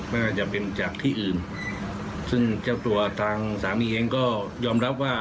ไม่ว่าจะเป็นจากที่อื่นซึ่งเจ้าตัวทางสามีเองก็ยอมรับว่า